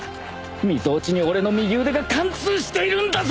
みぞおちに俺の右腕が貫通しているんだぞ！？